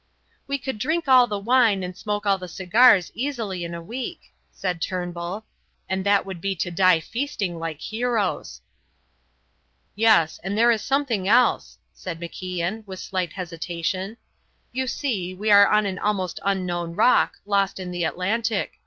"We could drink all the wine and smoke all the cigars easily in a week," said Turnbull; "and that would be to die feasting like heroes." "Yes, and there is something else," said MacIan, with slight hesitation. "You see, we are on an almost unknown rock, lost in the Atlantic.